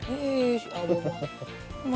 eh si abah mbah